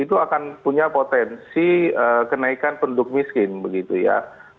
itu akan punya potensi kenaikan penduduk miskin begitu ya